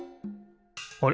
あれ？